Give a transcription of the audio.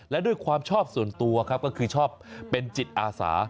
และด้วยความชอบส่วนตัวครับก็คือชอบเป็นจิตอาสา